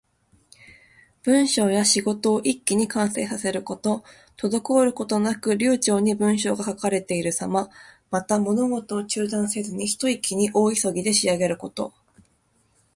文章や仕事を一気に完成させること。滞ることなく流暢に文章が書かれているさま。また、物事を中断せずに、ひと息に大急ぎで仕上げること。